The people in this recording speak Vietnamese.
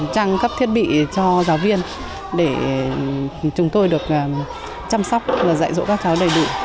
trang cấp thiết bị cho giáo viên để chúng tôi được chăm sóc và dạy dỗ các cháu đầy đủ